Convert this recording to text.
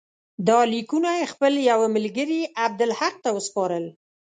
دا لیکونه یې خپل یوه ملګري عبدالحق ته وسپارل.